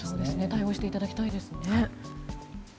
対応していただきたいですよね。